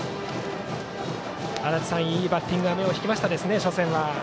足達さん、いいバッティングが初戦、目を引きましたね。